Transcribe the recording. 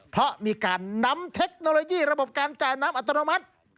เพราะมีการนำเทคโนโลยีระบบการจ่ายน้ำอัตโนมัติ